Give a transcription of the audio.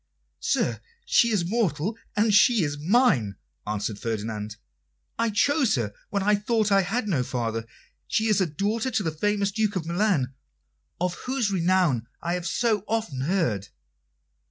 "Sir, she is mortal, and she is mine," answered Ferdinand. "I chose her when I thought I had no father. She is daughter to the famous Duke of Milan, of whose renown I have so often heard."